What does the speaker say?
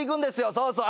そうそう。